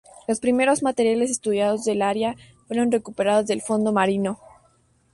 Los primeros materiales estudiados del área fueron recuperados del fondo marino.